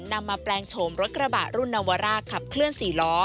นำมาแปลงโฉมรถกระบะรุ่นนวาร่าขับเคลื่อน๔ล้อ